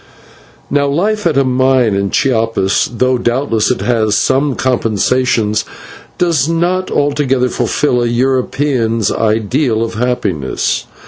Now life at a mine in Chiapas, though doubtless it has some compensations, does not altogether fulfil a European's ideal of happiness.